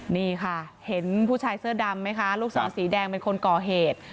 นี่ค่ะเห็นผู้ชายเสื้อดำไหมคะลูกศรสีแดงเป็นคนก่อเหตุ